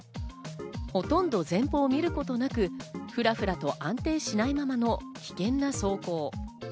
ほとんど前方を見ることなく、ふらふらと安定しないままの危険な走行。